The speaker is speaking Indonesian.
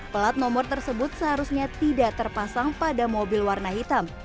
pelat nomor tersebut seharusnya tidak terpasang pada mobil warna hitam